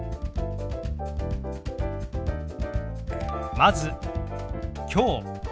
まず「きょう」。